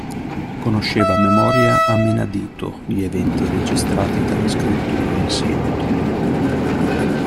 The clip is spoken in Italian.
Conosceva a memoria a menadito gli eventi registrati dalle scritture in seguito.